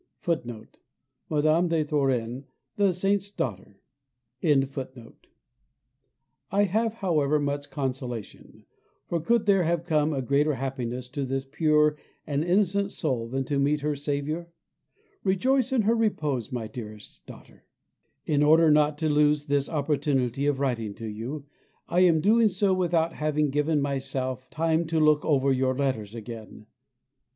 [A] I have, however, much consolation; for could there have come a greater happiness to this pure and innocent soul than to meet her Saviour? Rejoice in her repose, my dearest daughter. In order not to lose this opportunity of writing to you I am doing so without having given myself time to look over your letters again.